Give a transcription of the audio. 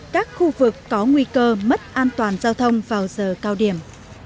các khu vực có nguy cơ mất an toàn giao thông vào giờ cao điểm